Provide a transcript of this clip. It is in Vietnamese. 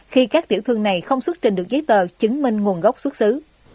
khi các tiểu thương này không xuất trình được giấy tờ chứng minh nguồn gốc xuất xứ